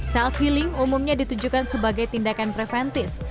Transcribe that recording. self healing umumnya ditujukan sebagai tindakan preventif